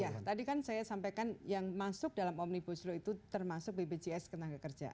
ya tadi kan saya sampaikan yang masuk dalam omnibus law itu termasuk bpjs tenaga kerja